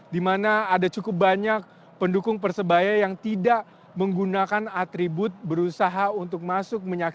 dimana ada cukup banyak pendukung persebaya yang tidak menggunakan atribut berusaha untuk mencari penyelamat